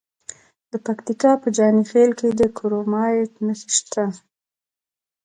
د پکتیکا په جاني خیل کې د کرومایټ نښې شته.